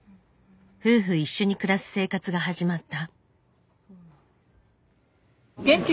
夫婦一緒に暮らす生活が始まった。